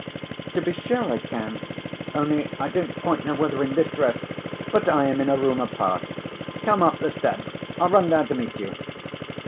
"To be sure I can, only I don't quite know whether in this dress—" "But I am in a room apart. Come up the steps; I'll run down to meet you."